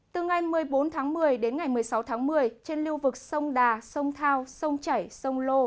từ ngày một mươi bốn tháng một mươi đến ngày một mươi sáu tháng một mươi trên lưu vực sông đà sông thao sông chảy sông lô